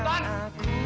tadi aku melihat antoni